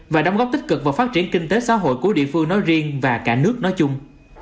và đóng góp tích cực vào phát triển kinh tế xã hội của địa phương nói riêng và cả nước nói chung